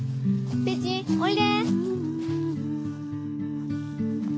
ペチおいで。